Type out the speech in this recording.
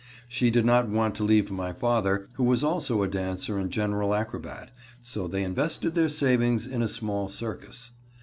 She did not want to leave my father, who was also a dancer and general acrobat, so they invested their savings in a small circus.